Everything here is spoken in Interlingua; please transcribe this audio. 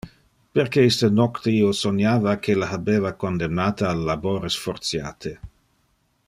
Perque iste nocte io soniava que le habeva condemnate al labores fortiate.